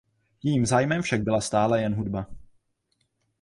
Jejím zájmem však byla stále jen hudba.